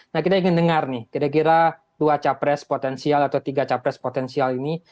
nah kita ingin dengar nih kira kira dua capres potensial atau tiga capres potensial ini